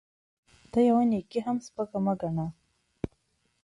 ته يوه نيکي هم سپکه مه ګڼه